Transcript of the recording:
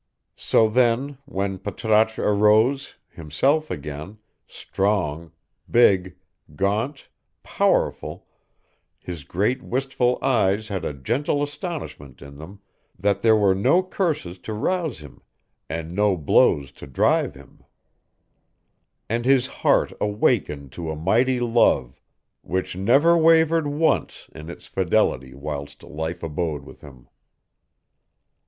So then, when Patrasche arose, himself again, strong, big, gaunt, powerful, his great wistful eyes had a gentle astonishment in them that there were no curses to rouse him and no blows to drive him; and his heart awakened to a mighty love, which never wavered once in its fidelity whilst life abode with him.